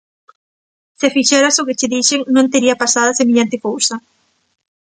Se fixeras o que che dixen, non tería pasado semellante cousa